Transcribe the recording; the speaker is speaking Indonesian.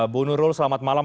bu nurul selamat malam